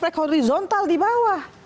ada efek horizontal di bawah